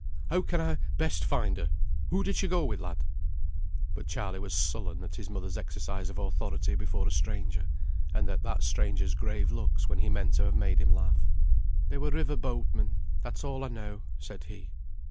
"How can I best find her? Who did she go with, lad?" But Charley was sullen at his mother's exercise of authority before a stranger, and at that stranger's grave looks when he meant to have made him laugh. "They were river boatmen; that's all I know," said he.